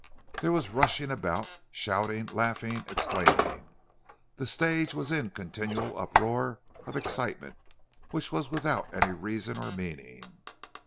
There was rushing about, shouting, laughing, exclaiming; the stage was in a continual uproar of excitement, which was without any reason or meaning.